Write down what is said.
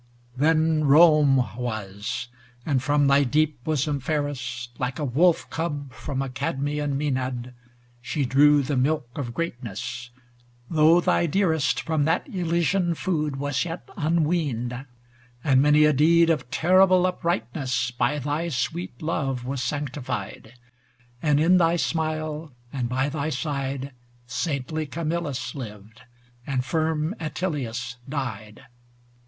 VII Then Rome was, and from thy deep bosom fairest, Like a wolf cub from a Cadmean Maenad, She drew the milk of greatness, though thy dearest From that Elysian food was yet un┬½ weaned: 384 MISCELLANEOUS POEMS And many a deed of terrible uprightness By thy sweet love was sanctified; And in thy smile, and by thy side, Saintly Camillus lived, and firm Atilius died.